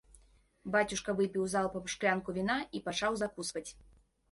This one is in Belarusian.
Бацюшка выпіў залпам шклянку віна і пачаў закусваць.